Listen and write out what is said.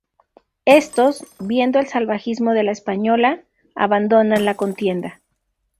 Éstos, viendo el salvajismo de la española, abandonan la contienda.